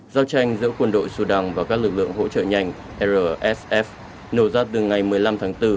giao tranh giữa quân đội sudan và các lực lượng hỗ trợ nhanh rsf nổ ra từ ngày một mươi năm tháng bốn